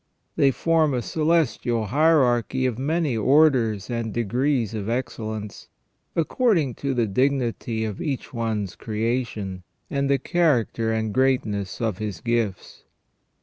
They form a celestial hierarchy of many orders and degrees of excellence, according to the dignity of each one's creation, and the character and greatness of his gifts.